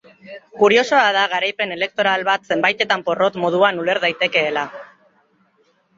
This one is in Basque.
Kuriosoa da garaipen elektoral bat zenbaitetan porrot moduan uler daitekeela.